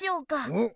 おっ！